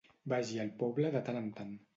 Vagi al poble de tant en tant.